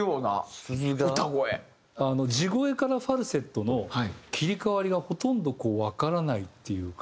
地声からファルセットの切り替わりがほとんどわからないっていうか。